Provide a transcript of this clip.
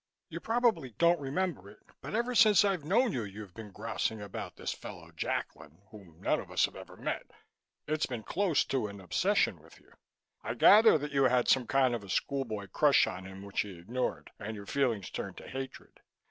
"You probably don't remember it but ever since I've known you, you've been grousing about this fellow Jacklin, whom none of us have ever met. It's been close to an obsession with you. I gather that you had some kind of a school boy crush on him, which he ignored, and your feelings turned to hatred.